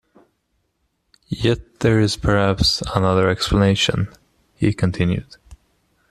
"Yet there is perhaps, another explanation," he continued.